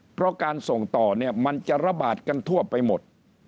เพราะการส่งต่อเนี่ยมันจะระบาดกันทั่วไปหมด